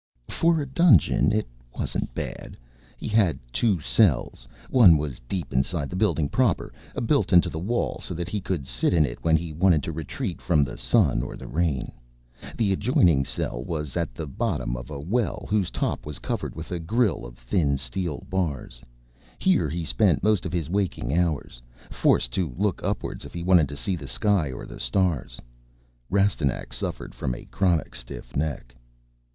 For a dungeon, it wasn't bad. He had two cells. One was deep inside the building proper, built into the wall so that he could sit in it when he wanted to retreat from the sun or the rain. The adjoining cell was at the bottom of a well whose top was covered with a grille of thin steel bars. Here he spent most of his waking hours. Forced to look upwards if he wanted to see the sky or the stars, Rastignac suffered from a chronic stiff neck.